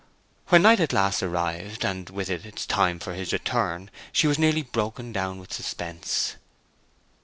When night at last arrived, and with it the time for his return, she was nearly broken down with suspense.